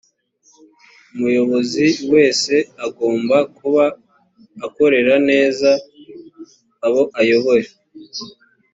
umuyobozi wese agomba kuba akorera neza abo ayobora